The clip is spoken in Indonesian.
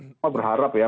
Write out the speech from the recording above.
kita berharap ya